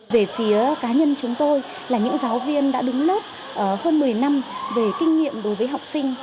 về phía cá nhân chúng tôi là những giáo viên đã đứng lớp hơn một mươi năm về kinh nghiệm đối với học sinh